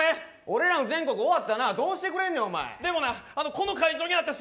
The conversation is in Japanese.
俺らの全国終わったなどうしてくれんねんお前でもなこの会場にあったＣＤ